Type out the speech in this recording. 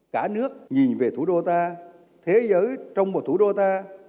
cả nước nhìn về thủ đô ta thế giới trong một thủ đô ta